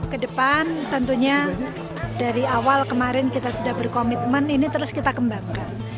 kedepan tentunya dari awal kemarin kita sudah berkomitmen ini terus kita kembangkan